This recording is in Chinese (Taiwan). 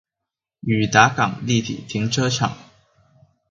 興達港立體停車場